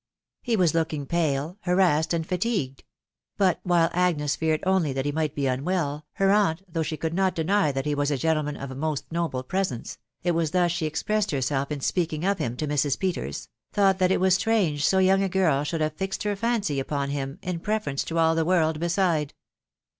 He was looking pale, harassed, and fatigued;, but while Agnes feared only that he might be. unwellv her aunt* ft 452 THB WIDOW BARNABY. though she could not deny that he was a gentleman of a most noble presence (it was thus she expressed herself in speaking of him to Mrs. Peters), thought that it was strange so young a girl should have fixed her fancy upon him in preference to all the world beside.